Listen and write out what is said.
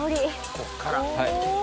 こっから。